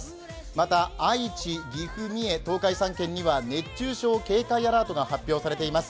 また、愛知・岐阜・三重、東海３県には熱中症警戒アラートが発表されています。